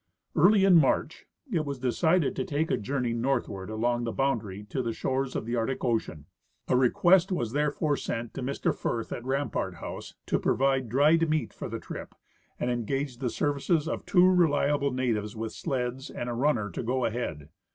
Early in March it was decided to take a journey northward along the boundary to the shores of the Arctic ocean. A request was therefore sent to Mr Firth, at Rampart house, to provide dried meat for the trip and engage the services of two reliable natives with sleds and a runner to go ahead.